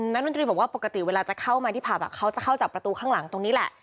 รัฐมนตรีบอกว่าปกติเวลาจะเข้ามาที่ผับเขาจะเข้าจากประตูข้างหลังตรงนี้แหละ